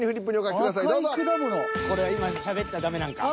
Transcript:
これは今しゃべったらダメなんか。